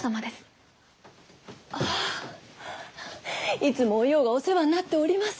いつもおようがお世話になっております。